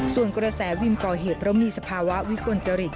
ส่วนกระแสวิมก่อเหตุเพราะมีสภาวะวิกลจริต